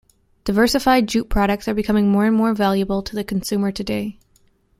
Diversified jute products are becoming more and more valuable to the consumer today.